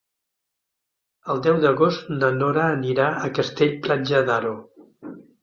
El deu d'agost na Nora anirà a Castell-Platja d'Aro.